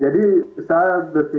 dari kpu itu sangat penting